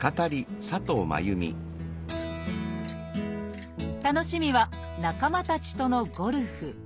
楽しみは仲間たちとのゴルフ。